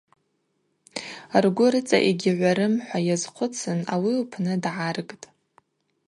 Ргвы рыцӏа йгьгӏварымхӏва йазхъвыцын ауи лпны дгӏаргтӏ.